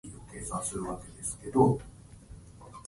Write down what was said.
人生は山あり谷あり